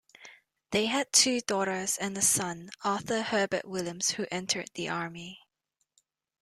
They had two daughters and a son, Arthur Herbert Williams, who entered the army.